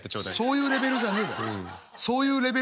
そういうレベルじゃねえだろ。